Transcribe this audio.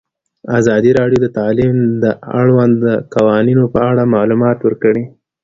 ازادي راډیو د تعلیم د اړونده قوانینو په اړه معلومات ورکړي.